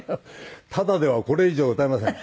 タダではこれ以上歌いません。